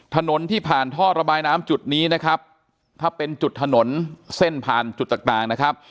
ถนนที่ผ่านท่อระบายน้ำจุดนี้นะครับถ้าเป็นจุดถนนเส้นผ่านจุดต่างต่างนะครับ